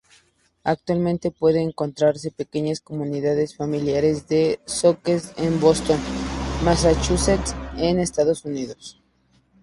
Actualmente puede encontrarse pequeñas comunidades familiares de zoques en Boston, Massachusetts, en Estados Unidos.